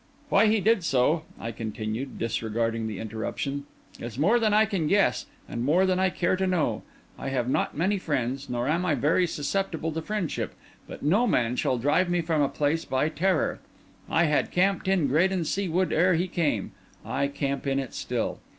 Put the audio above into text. "Why he did so," I continued, disregarding the interruption, "is more than I can guess, and more than I care to know. I have not many friends, nor am I very susceptible to friendship; but no man shall drive me from a place by terror. I had camped in Graden Sea Wood ere he came; I camp in it still.